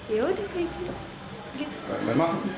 ya udah kayak gitu